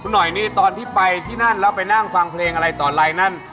หน่อยนี่ตอนที่ไปที่นั่นแล้วไปนั่งฟังเพลงอะไรต่อไลน์นั่น